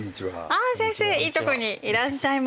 あ先生いいところにいらっしゃいました。